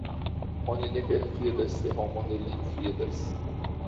Dio ne perfidas, se homo lin fidas.